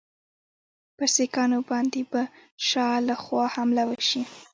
پر سیکهانو باندي به شا له خوا حمله وشي.